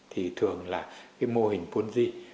thì thường là cái mô hình vốn gì